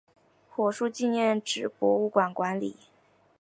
树火纪念纸博物馆管理。